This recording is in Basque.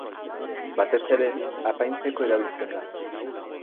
Batez ere, apaintzeko erabiltzen da.